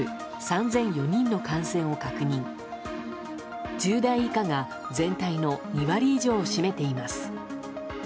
１０代以下が全体の２割以上を占めています。